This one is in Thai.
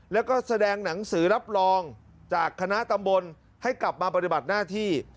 แล้วก็แสดงหนังสือรับรองจากคณะตำบลให้กลับมาปฏิบัติหน้าที่